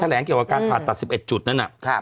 แหลงเกี่ยวกับการผ่าตัด๑๑จุดนั้น